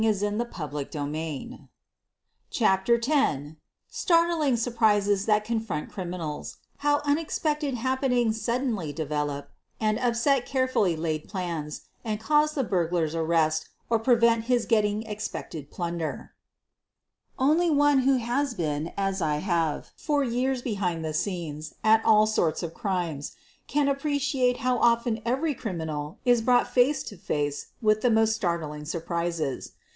QUEEN OF THE BURGLAES 225 CHAPTER X STARTLING SURPRISES THAT CONFRONT CRIMINALS — HOW UNEXPECTED HAPPENINGS SUDDENLY DEVELOP AND UPSET CAREFULLY LAID PLANS AND CAUSE THE BURGLARS ARREST OR PRE VENT HIS GETTING EXPECTED PLUNDER Only one who has been, as I have, for years be hind the scenes at all sorts of crimes can appreciate how often every criminal is brought face to face with the most startling surprises.